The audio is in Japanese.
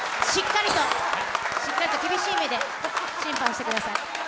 しっかりと厳しい目で審判してください。